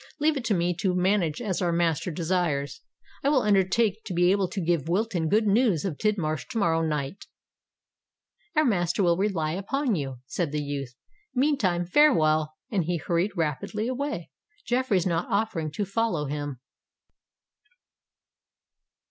"Leave it to me to manage as our master desires: I will undertake to be able to give Wilton good news of Tidmarsh to morrow night." "Our master will rely upon you," said the youth. "Meantime farewell;"—and he hurried rapidly away, Jeffreys not offering to follow him.